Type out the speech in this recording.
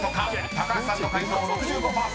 ［高橋さんの解答６５％。